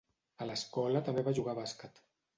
A l'escola també va jugar a bàsquet.